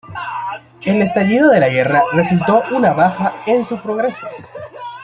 El estallido de la guerra resultó una baja en su progreso.